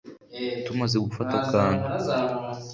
Tumaze gufata akantu